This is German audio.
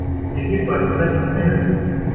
Ergebt euch, ihr seid umzingelt!